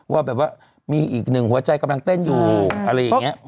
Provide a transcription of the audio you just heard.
ว่าแบบว่ามีอีกหนึ่งหัวใจกำลังเต้นอยู่อะไรอย่างนี้